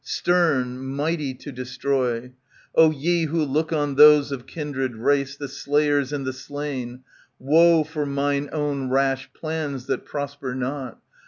Stern, mighty to destroy ! O ye who look on those of kindred race. The slayers and the slain, Woe for mine own rash plans that prosper not